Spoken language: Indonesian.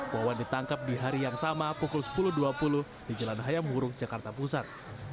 wawan ditangkap di hari yang sama pukul sepuluh dua puluh di jalan hayam hurung jakarta pusat